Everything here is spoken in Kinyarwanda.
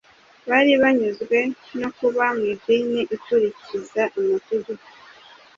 Bari banyuzwe no kuba mu idini ikurikiza amategeko,